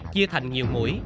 chia thành nhiều mũi